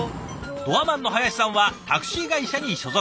ドアマンの林さんはタクシー会社に所属。